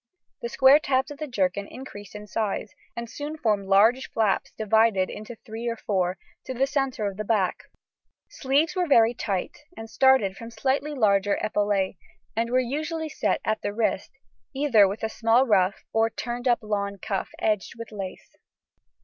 The square tabs of the jerkin increased in size, and soon formed large flaps divided into three or four, to the centre of the back. Sleeves were fairly tight and started from slightly larger epaulets, and were usually set at the wrist, either with a small ruff or turned up lawn cuff, edged with lace.